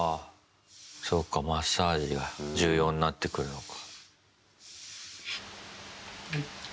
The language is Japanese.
そうか、マッサージが重要になってくるのか。